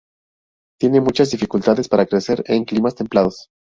Tiene muchas dificultades para crecer en climas templados.